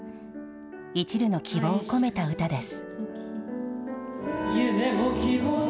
いちるの希望を込めた歌です。